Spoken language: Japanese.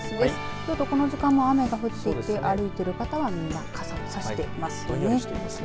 京都、この時間も雨が降っていて歩いている方はみんな傘をさしていますね。